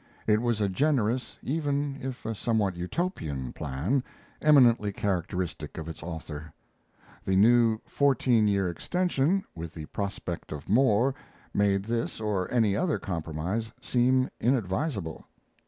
It was a generous, even if a somewhat Utopian, plan, eminently characteristic of its author. The new fourteen year extension, with the prospect of more, made this or any other compromise seem inadvisable.